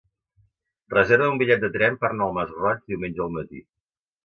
Reserva'm un bitllet de tren per anar al Masroig diumenge al matí.